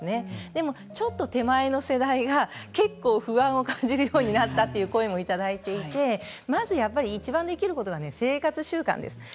でも、ちょっと手前の世代が結構不安を感じるようになったという声もいただいていてまずやっぱりいちばんできることは生活習慣です。